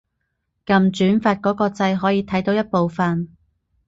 撳轉發嗰個掣可以睇到一部分